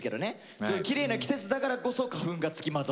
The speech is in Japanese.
すごいきれいな季節だからこそ花粉が付きまとうという。